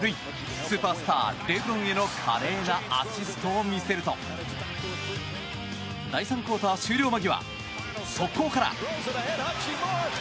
スーパースター、レブロンへの華麗なアシストを見せると第３クオーター終了間際速攻から。